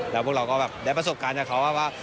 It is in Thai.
แล้วพวกเราก็แบบได้ประสบการณ์จากเขาว่า